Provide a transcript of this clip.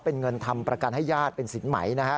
เป็นเงินทำประกันให้ญาติเป็นสินไหมนะฮะ